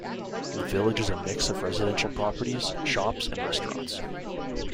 The village is a mix of residential properties, shops and restaurants.